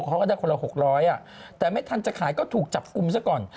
เขาก็ได้คนละ๖๐๐แต่ไม่ทันจะขายก็ถูกจับกลุ่มซะก่อน